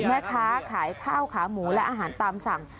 แม่ค้าขายข้าวขาหมูและอาหารตามสั่ง